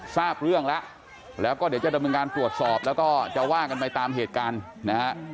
ทราบเรื่องแล้วแล้วก็เดี๋ยวจะดำเนินการตรวจสอบแล้วก็จะว่ากันไปตามเหตุการณ์นะฮะ